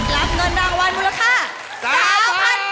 รับเงินรางวัลมูลค่า๓๐๐๐บาท